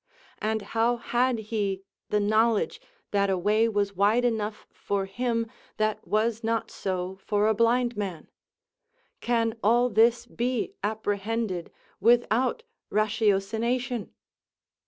And how had he the knowledge that a way was wide enough for him that was not so for a blind man? Can all this be apprehended without ratiocination!